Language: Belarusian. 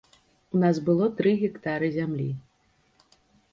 У нас было тры гектары зямлі.